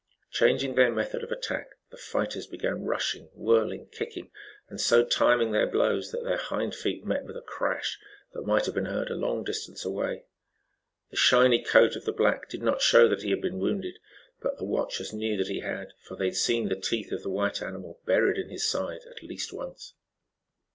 Changing their method of attack, the fighters began rushing, whirling, kicking and so timing their blows that their hind feet met with a crash that might have been heard a long distance away. The shiny coat of the black did not show that he had been wounded, but the watchers knew he had, for they had seen the teeth of the white animal buried in his side at least once.